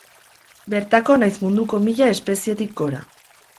Bertako nahiz munduko mila espezietik gora.